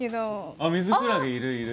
あっミズクラゲいるいる。